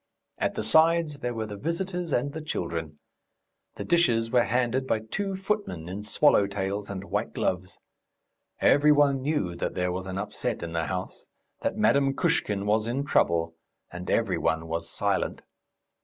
At the sides there were the visitors and the children. The dishes were handed by two footmen in swallowtails and white gloves. Every one knew that there was an upset in the house, that Madame Kushkin was in trouble, and every one was silent.